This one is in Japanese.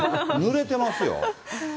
ぬれてますよ。